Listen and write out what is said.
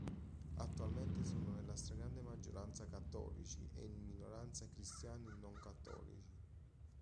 Attualmente sono nella stragrande maggioranza cattolici e in minoranza cristiani non cattolici.